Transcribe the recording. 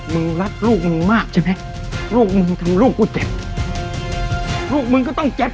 มึงรักลูกมึงมากใช่ไหมลูกมึงทำลูกกูเจ็บ